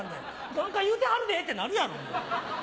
「何か言うてはるで」ってなるやろうお前。